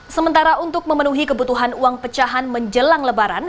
sementara untuk memenuhi kebutuhan uang pecahan menjelang lebaran